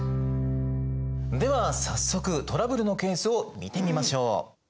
では早速トラブルのケースを見てみましょう。